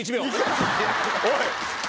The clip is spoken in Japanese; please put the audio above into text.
おい！